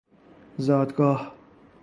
زادگاه